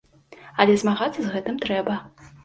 Але змагацца з гэтым трэба.